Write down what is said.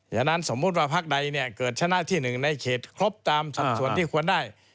อย่างนั้นสมมุติว่าภักด์ใดเกิดชนะที่หนึ่งในเขตครบตามสัดส่วนที่ควรได้